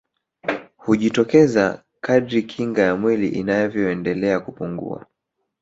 Hujitokeza kadri kinga ya mwili inavyoendelea kupungua